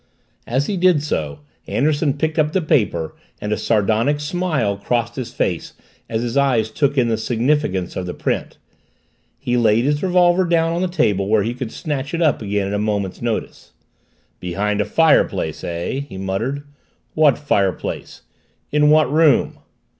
As he did so Anderson picked up the paper and a sardonic smile crossed his face as his eyes took in the significance of the print. He laid his revolver down on the table where he could snatch it up again at a moment's notice. "Behind a fireplace, eh?" he muttered. "What fireplace? In what room?"